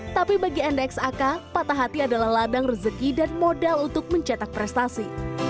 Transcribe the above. tapi bagi ndx ak patah hati adalah ladang rezeki dan modal untuk mencetak prestasi